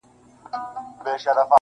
لا د دام هنر یې نه وو أزمېیلی -